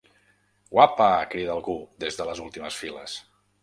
Guapaaaa! —crida algú des de les últimes files.